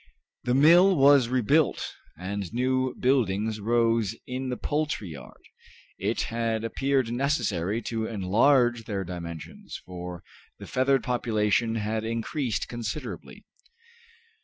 The mill was rebuilt, and new buildings rose in the poultry yard. It had appeared necessary to enlarge their dimensions, for the feathered population had increased considerably.